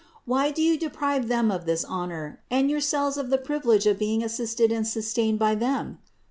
Why do you deprive them of this honor, and yourselves of the privilege of being assisted and sustained by Them?